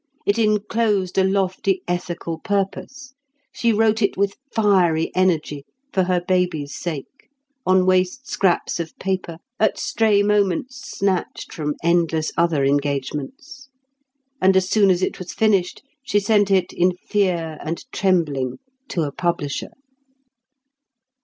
It enclosed a lofty ethical purpose. She wrote it with fiery energy, for her baby's sake, on waste scraps of paper, at stray moments snatched from endless other engagements. And as soon as it was finished, she sent it in fear and trembling to a publisher.